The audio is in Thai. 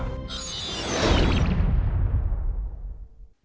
กิจช่วงไว้